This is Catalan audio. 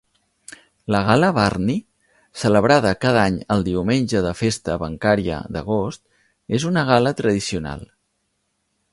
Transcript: La gal·la Bardney, celebrada cada any el diumenge de festa bancària d'agost, és una gal·la tradicional.